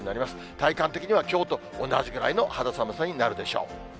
体感的には、きょうと同じぐらいの肌寒さになるでしょう。